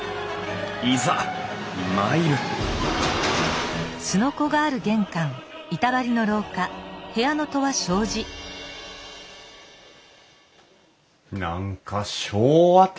いざ参る何か昭和的。